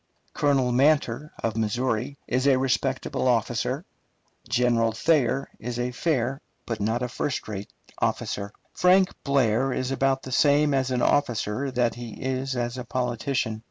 Colonel Manter, of Missouri, is a respectable officer. General Thayer is a fair but not first rate officer. Frank Blair is about the same as an officer that he is as a politician.